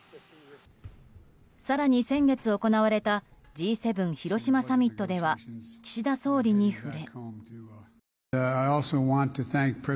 更に先月行われたＧ７広島サミットでは岸田総理に触れ。